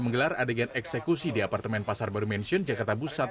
menggelar adegan eksekusi di apartemen pasar baru mention jakarta pusat